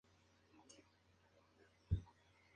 Esto reduciría la masa de Chandrasekhar.